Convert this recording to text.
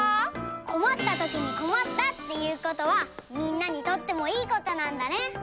こまったときにこまったっていうことはみんなにとってもいいことなんだね。